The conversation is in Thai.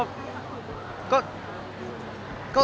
แบบโตขึ้นหรืออะไร